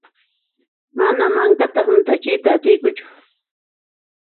Mana mankata hunt'achiyta atiykuchu.